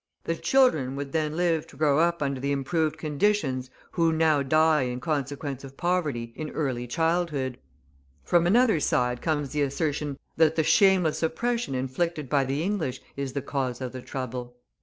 The children would then live to grow up under the improved conditions who now die in consequence of poverty in early childhood. From another side comes the assertion that the shameless oppression inflicted by the English is the cause of the trouble.